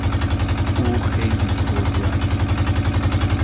او خیلی پررو است.